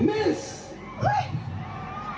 ไม่ได้หรอก